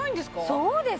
そうです！